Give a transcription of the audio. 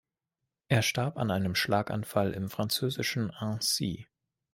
Er starb an einem Schlaganfall im französischen Annecy.